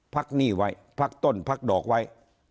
หนี้ไว้พักต้นพักดอกไว้